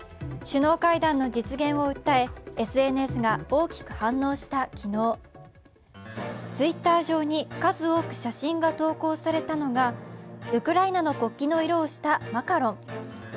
首脳会談の実現を訴えＳＮＳが大きく反応した昨日、Ｔｗｉｔｔｅｒ上に数多く写真が投稿されたのがウクライナの国旗の色をしたマカロン。